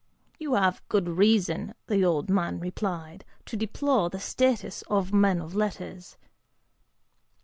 ("You have good reason," the old man replied, "to deplore the status of men of letters."